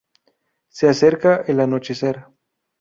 Se acerca el anochecer.